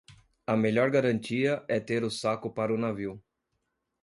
A melhor garantia é ter o saco para o navio.